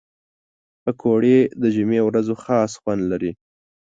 پکورې د جمعې ورځو خاص خوند لري